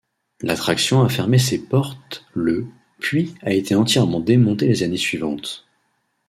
L'attraction a fermé ses portes le puis a été entièrement démontée les années suivantes.